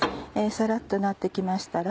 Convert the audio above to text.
サラっとなってきましたら